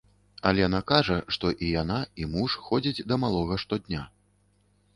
Алена кажа, што і яна, і муж ходзяць да малога штодня.